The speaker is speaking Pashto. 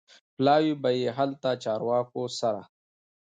پلاوی به یې هلته چارواکو سره